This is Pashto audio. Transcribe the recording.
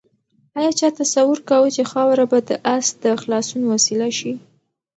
آیا چا تصور کاوه چې خاوره به د آس د خلاصون وسیله شي؟